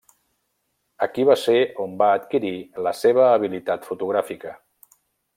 Aquí va ser on va adquirir la seva habilitat fotogràfica.